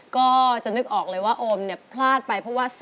ก็จะนึกออกเลยว่า